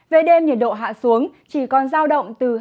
về đêm nhiệt độ hạ xuống chỉ còn giao động từ hai mươi năm đến hai mươi bảy độ